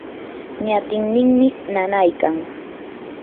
ñatinninmi nanaykan.